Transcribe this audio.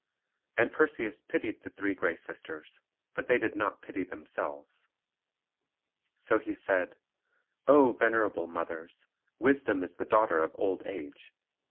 And Perseus pitied the three Grey Sisters; but they did not pity themselves. So he said, "Oh, venerable mothers, wisdom is the daughter of old age.